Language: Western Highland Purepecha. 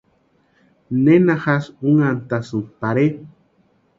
¿Nena jásï únhantasïnki pare?